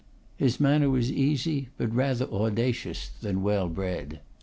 His manner was easy, but rather audacious than well bred.